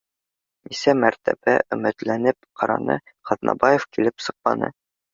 Нисә мәртәбә омөтләнеп ҡараны Ҡаҙнабаев, килеп сыҡманы